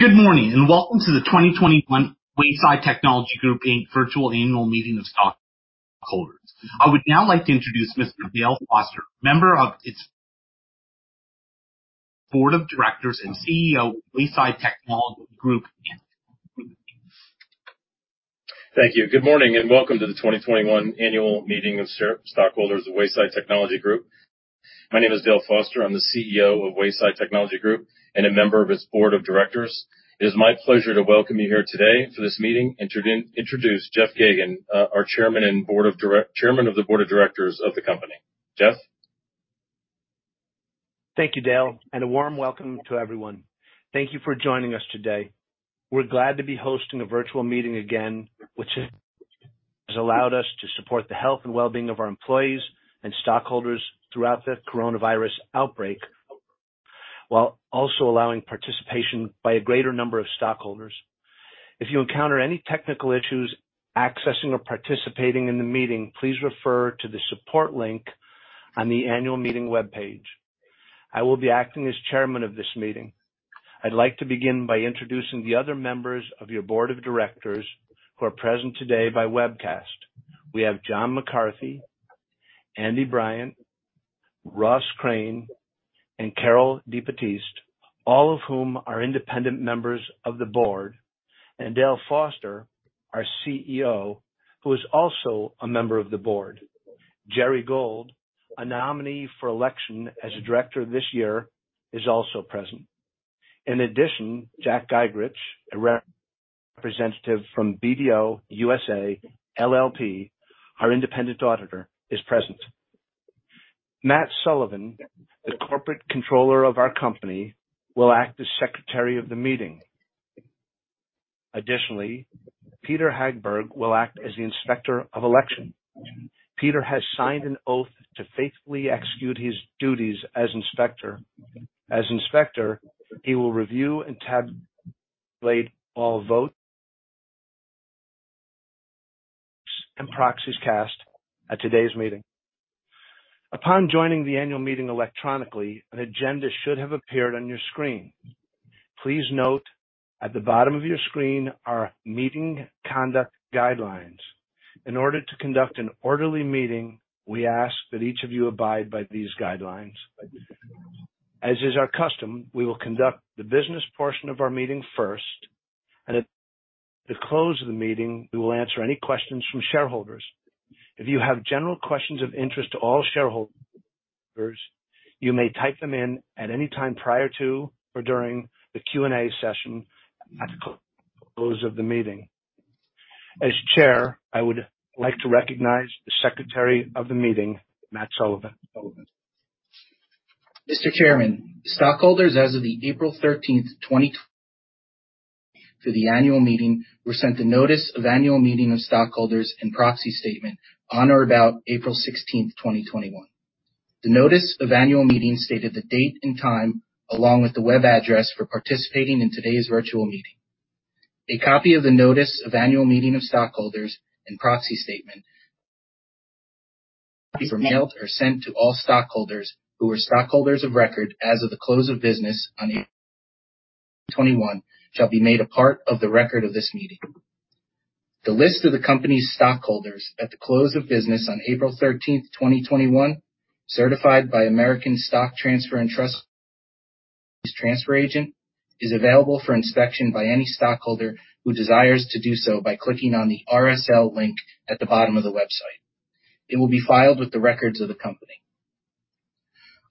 Good morning, welcome to the 2021 Wayside Technology Group virtual annual meeting of stockholders. I would now like to introduce Mr. Dale Foster, member of its board of directors and CEO of Wayside Technology Group, Inc. Thank you. Good morning, and welcome to the 2021 annual meeting of stockholders of Wayside Technology Group. My name is Dale Foster. I'm the CEO of Wayside Technology Group and a member of its board of directors. It is my pleasure to welcome you here today for this meeting and to introduce Jeff Geygan, our Chairman of the Board of Directors of the company. Jeff? Thank you, Dale, and a warm welcome to everyone. Thank you for joining us today. We're glad to be hosting a virtual meeting again, which has allowed us to support the health and wellbeing of our employees and stockholders throughout the coronavirus outbreak, while also allowing participation by a greater number of stockholders. If you encounter any technical issues accessing or participating in the meeting, please refer to the support link on the annual meeting webpage. I will be acting as chairman of this meeting. I'd like to begin by introducing the other members of your board of directors who are present today by webcast. We have John McCarthy, Andy Bryant, Ross Crane, and Carol DiBattiste, all of whom are independent members of the board, and Dale Foster, our CEO, who is also a member of the board. Gerri Gold, a nominee for election as a director this year, is also present. In addition, Jack Giegerich, a representative from BDO USA, LLP, our independent auditor, is present. Matt Sullivan, the Corporate Controller of our company, will act as secretary of the meeting. Additionally, Peter Hagberg will act as the inspector of election. Peter has signed an oath to faithfully execute his duties as inspector. As inspector, he will review and tabulate all votes and proxies cast at today's meeting. Upon joining the annual meeting electronically, an agenda should have appeared on your screen. Please note at the bottom of your screen our meeting conduct guidelines. In order to conduct an orderly meeting, we ask that each of you abide by these guidelines. As is our custom, we will conduct the business portion of our meeting first, and at the close of the meeting, we will answer any questions from shareholders. If you have general questions of interest to all shareholders, you may type them in at any time prior to or during the Q&A session at the close of the meeting. As chair, I would like to recognize the secretary of the meeting, Matt Sullivan. Mr. Chairman, stockholders as of the April 13th, 2021 for the annual meeting were sent a notice of annual meeting of stockholders and proxy statement on or about April 16th, 2021. The notice of annual meeting stated the date and time, along with the web address for participating in today's virtual meeting. A copy of the notice of annual meeting of stockholders and proxy statement were mailed or sent to all stockholders who were stockholders of record as of the close of business on April 2021 shall be made a part of the record of this meeting. The list of the company's stockholders at the close of business on April 13th, 2021, certified by American Stock Transfer & Trust's transfer agent, is available for inspection by any stockholder who desires to do so by clicking on the RSS link at the bottom of the website. It will be filed with the records of the company.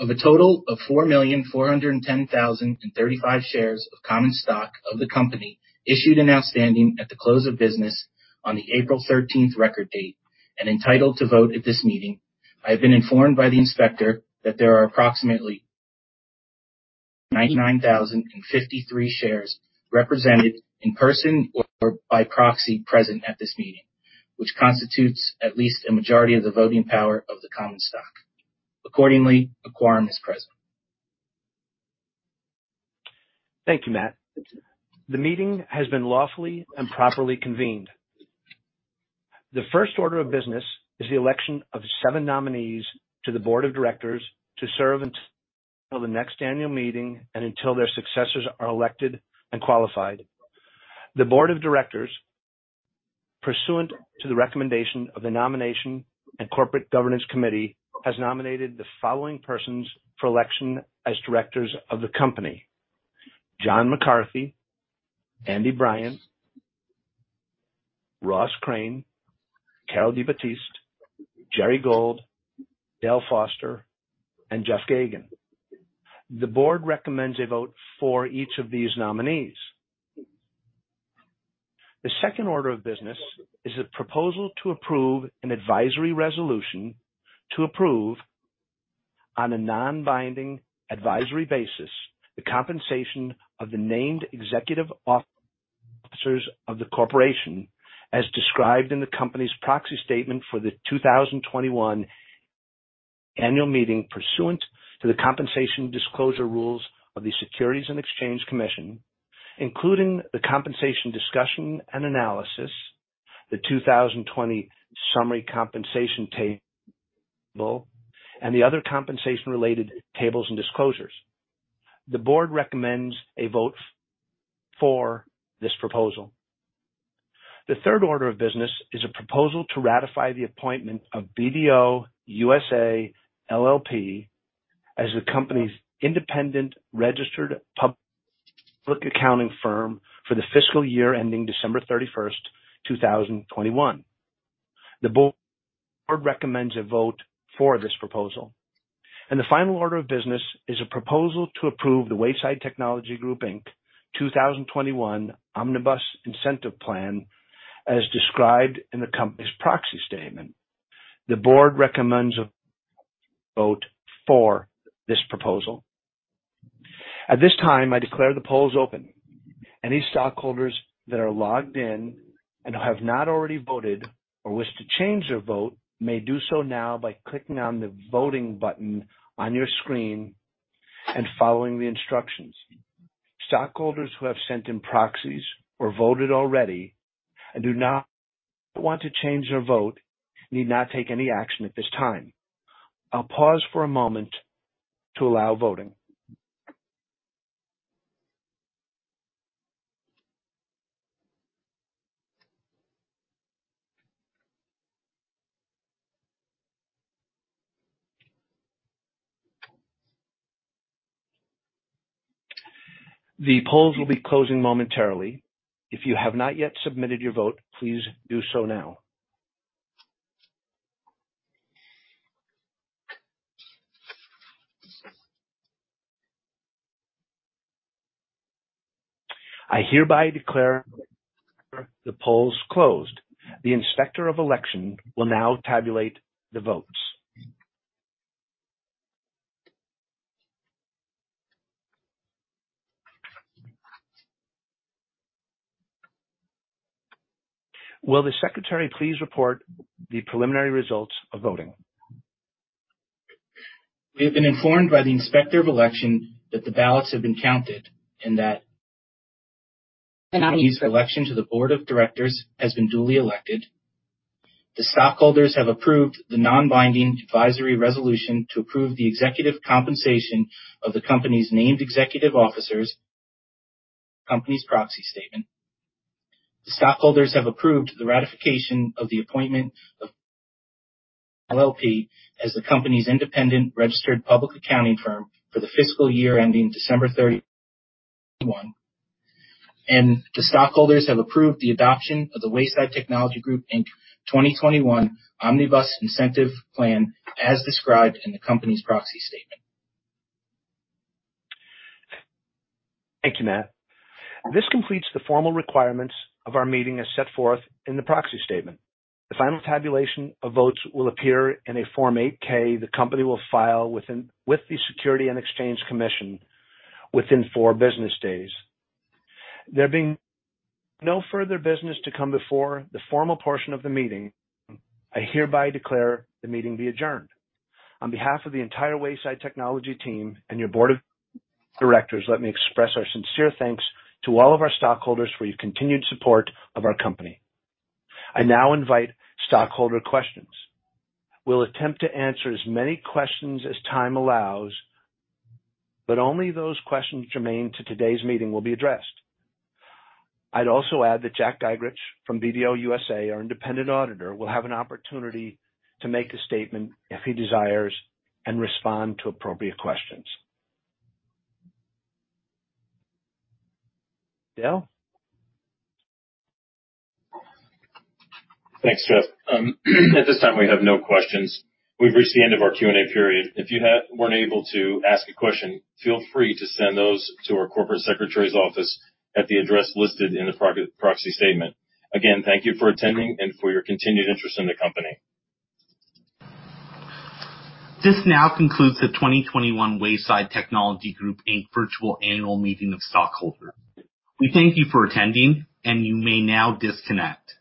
Of a total of 4,410,035 shares of common stock of the company issued and outstanding at the close of business on the April 13th record date and entitled to vote at this meeting, I have been informed by the inspector that there are approximately 99,053 shares represented in person or by proxy present at this meeting, which constitutes at least a majority of the voting power of the common stock. A quorum is present. Thank you, Matt. The meeting has been lawfully and properly convened. The first order of business is the election of seven nominees to the Board of Directors to serve until the next annual meeting and until their successors are elected and qualified. The Board of Directors, pursuant to the recommendation of the Nomination and Corporate Governance Committee, has nominated the following persons for election as directors of the Company: John McCarthy, Andrew Bryant, Ross Crane, Carol DiBattiste, Gerri Gold, Dale Foster, and Jeff Geygan. The Board recommends a vote for each of these nominees. The second order of business is a proposal to approve an advisory resolution to approve on a non-binding advisory basis the compensation of the named executive officers of the corporation as described in the company's proxy statement for the 2021 annual meeting pursuant to the compensation disclosure rules of the Securities and Exchange Commission, including the compensation discussion and analysis, the 2020 summary compensation table and the other compensation-related tables and disclosures. The Board recommends a vote for this proposal. The third order of business is a proposal to ratify the appointment of BDO USA, LLP as the company's independent registered public accounting firm for the fiscal year ending December 31st, 2021. The Board recommends a vote for this proposal. The final order of business is a proposal to approve the Wayside Technology Group, Inc. 2021 Omnibus Incentive Plan as described in the company's proxy statement. The board recommends a vote for this proposal. At this time, I declare the polls open. Any stockholders that are logged in and have not already voted or wish to change their vote may do so now by clicking on the voting button on your screen and following the instructions. Stockholders who have sent in proxies or voted already and do not want to change their vote need not take any action at this time. I'll pause for a moment to allow voting. The polls will be closing momentarily. If you have not yet submitted your vote, please do so now. I hereby declare the polls closed. The Inspector of Election will now tabulate the votes. Will the secretary please report the preliminary results of voting? We have been informed by the Inspector of Election that the ballots have been counted and that the nominees' election to the board of directors has been duly elected. The stockholders have approved the non-binding advisory resolution to approve the executive compensation of the company's named executive officers company's proxy statement. The stockholders have approved the ratification of the appointment of BDO USA, LLP as the company's independent registered public accounting firm for the fiscal year ending December 31st. The stockholders have approved the adoption of the Wayside Technology Group Inc. 2021 Omnibus Incentive Plan as described in the company's proxy statement. Thank you, Matt. This completes the formal requirements of our meeting as set forth in the proxy statement. The final tabulation of votes will appear in a Form 8-K the company will file with the Securities and Exchange Commission within four business days. There being no further business to come before the formal portion of the meeting, I hereby declare the meeting be adjourned. On behalf of the entire Wayside Technology team and your board of directors, let me express our sincere thanks to all of our stockholders for your continued support of our company. I now invite stockholder questions. We'll attempt to answer as many questions as time allows, but only those questions germane to today's meeting will be addressed. I'd also add that Jack Giegerich from BDO USA, our independent auditor, will have an opportunity to make a statement if he desires, and respond to appropriate questions. Dale? Thanks, Jeff. At this time, we have no questions. We've reached the end of our Q&A period. If you weren't able to ask a question, feel free to send those to our corporate secretary's office at the address listed in the proxy statement. Again, thank you for attending and for your continued interest in the company. This now concludes the 2021 Wayside Technology Group Inc. virtual annual meeting of stockholders. We thank you for attending, and you may now disconnect.